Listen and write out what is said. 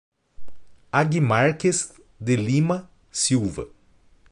Aguimarques de Lima Silva